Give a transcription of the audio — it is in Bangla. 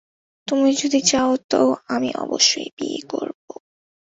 তুমি যদি চাও তো আমি অবশ্যই বিয়ে করবো।